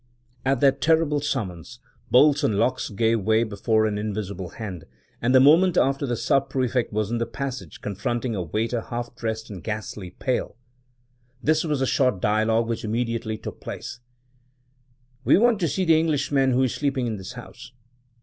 At that terrible summons bolts and locks gave way before an invisible hand, and the moment after the Sub prefect was in the passage, confronting a waiter half dressed and ghastly pale. This was the short dialogue which immediately took place: "We want to see the Englishman who is sleeping in this house?"